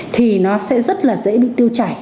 thì nó sẽ rất là dễ bị tiêu chảy